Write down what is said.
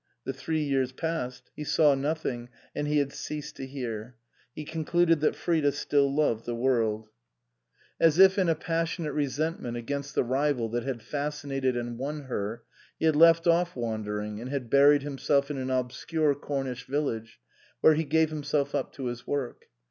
The three years passed ; he saw nothing and he had ceased to hear. He con cluded that Frida still loved the world. T.S.Q. 193 o THE COSMOPOLITAN As if in a passionate resentment against the rival that had fascinated and won her, he had left off wandering and had buried himself in an obscure Cornish village, where he gave himself up to his work.